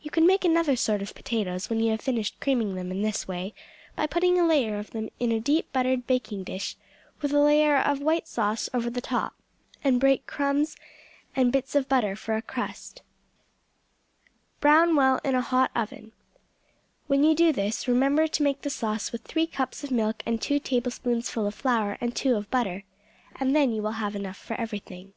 You can make another sort of potatoes when you have finished creaming them in this way, by putting a layer of them in a deep buttered baking dish, with a layer of white sauce over the top, and break crumbs and bits of butter for a crust. Brown well in a hot oven. When you do this, remember to make the sauce with three cups of milk and two tablespoonfuls of flour and two of butter, and then you will have enough for everything.